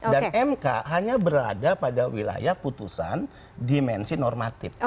dan mk hanya berada pada wilayah putusan dimensi normatif